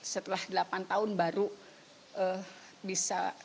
setelah delapan tahun baru bisa